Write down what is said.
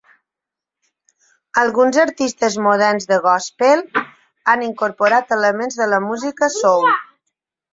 Alguns artistes moderns de gòspel han incorporat elements de la música soul.